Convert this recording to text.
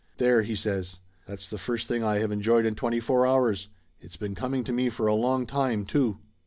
"There!" he says. "That's the first thing I have enjoyed in twenty four hours! It's been coming to me for a long time, too